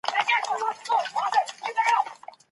پلار زموږ لپاره د نړۍ تر ټولو مهربان او رښتینی دوست دی.